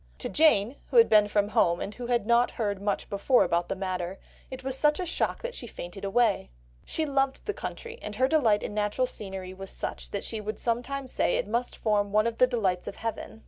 To Jane, who had been from home, and who had not heard much before about the matter, it was such a shock that she fainted away ... she loved the country, and her delight in natural scenery was such that she would sometimes say it must form one of the delights of heaven."